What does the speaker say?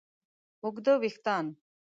اوږده وېښتیان